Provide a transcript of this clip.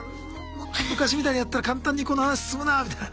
昔みたいにやったら簡単にこの話進むなあみたいな。